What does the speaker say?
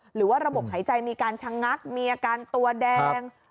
หรือว่าระบบหายใจมีการชะงักมีอาการตัวแดง